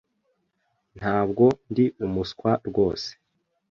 Ntabwo ndi umuswa rwose.